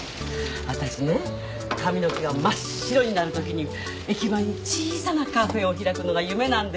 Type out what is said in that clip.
私ね髪の毛が真っ白になる時に駅前に小さなカフェを開くのが夢なんです